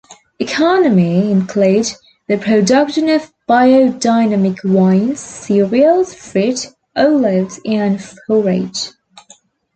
Economy include the production of biodynamic wines, cereals, fruit, olives and forage.